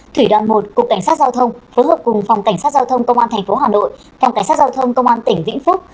thủy đoàn một cục cảnh sát giao thông phối hợp cùng phòng cảnh sát giao thông công an tp hà nội phòng cảnh sát giao thông công an tỉnh vĩnh phúc